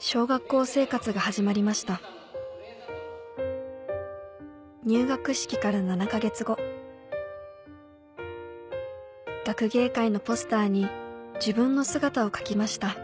小学校生活が始まりました入学式から７か月後学芸会のポスターに自分の姿を描きました